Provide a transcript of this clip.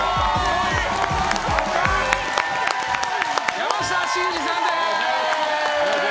山下真司さんです！